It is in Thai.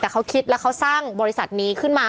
แต่เขาคิดแล้วเขาสร้างบริษัทนี้ขึ้นมา